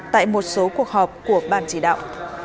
tại một số cuộc họp của bàn chỉ đạo